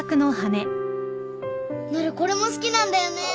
なるこれも好きなんだよね。